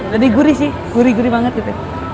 jadi gurih sih gurih gurih banget gitu